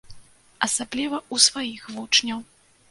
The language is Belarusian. Асабліва ў сваіх вучняў.